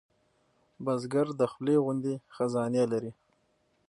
بزګر د خولې غوندې خزانې لري